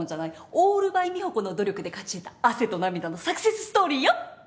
オールバイ美保子の努力で勝ち得た汗と涙のサクセスストーリーよ。